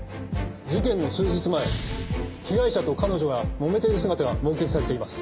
事件の数日前被害者と彼女がもめている姿が目撃されています。